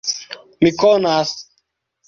Mi konas.